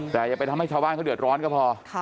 แต่อย่าไปทำให้ชาวบ้านเขาเดือดร้อนก็พอ